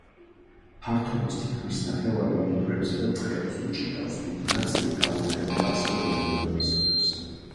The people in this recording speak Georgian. ფართობის თითქმის ნახევარი მინდვრებსა და ტყეებს უჭირავს, დიდი ნაწილი გამოიყენება ასევე მეურნეობისათვის.